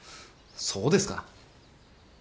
そうですか？